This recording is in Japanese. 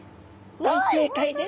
大正解です。